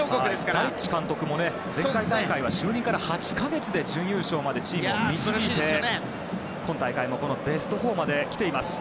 ダリッチ監督も前回就任から８か月で準優勝までチームを導いて今大会もベスト４まできてます。